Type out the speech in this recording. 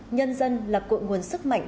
nhân dân là cuộn nguồn sức mạnh